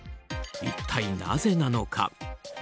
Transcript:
一体、なぜなのか。